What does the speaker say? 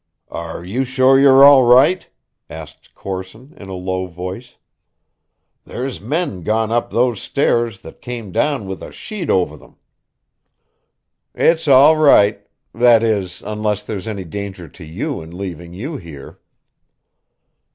"Are you sure you're all right?" asked Corson in a low voice. "There's men gone up those stairs that came down with a sheet over them." "It's all right that is, unless there's any danger to you in leaving you here."